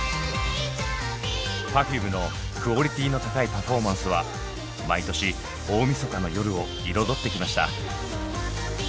Ｐｅｒｆｕｍｅのクオリティーの高いパフォーマンスは毎年大みそかの夜を彩ってきました。